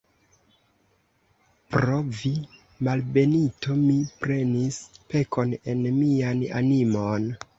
Pro vi, malbenito, mi prenis pekon en mian animon!